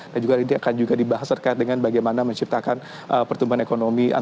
dan juga ini akan juga dibahas terkait dengan bagaimana menciptakan pertumbuhan ekonomi